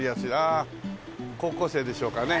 ああ高校生でしょうかね？